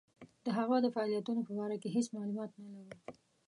د هغه د فعالیتونو په باره کې هیڅ معلومات نه لرو.